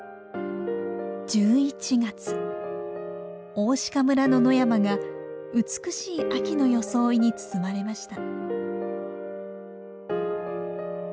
大鹿村の野山が美しい秋の装いに包まれました。